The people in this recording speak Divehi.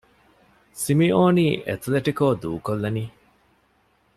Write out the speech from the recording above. ސިމިއޯނީ އެތުލެޓިކޯ ދޫކޮށްލަނީ؟